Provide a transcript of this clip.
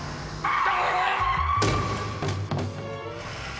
あっ！